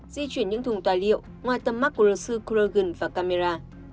di chuyển những thùng tài liệu ngoài tầm mắt của luật sư crogen và camera